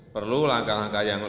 perlu langkah langkah yang